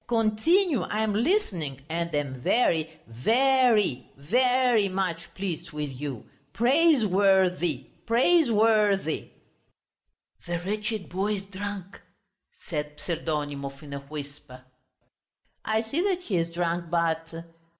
"Continue, I am listening, and am very, ve ry, ve ry much pleased with you! Praisewor thy, praisewor thy!" "The wretched boy is drunk," said Pseldonimov in a whisper. "I see that he is drunk, but...."